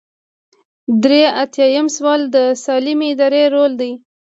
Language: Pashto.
درې ایاتیام سوال د سالمې ادارې رول دی.